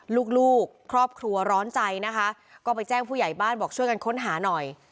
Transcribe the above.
ลูกลูกครอบครัวร้อนใจนะคะก็ไปแจ้งผู้ใหญ่บ้านบอกช่วยกันค้นหาหน่อย